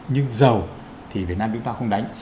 nhưng dầu thì việt nam chúng ta không đánh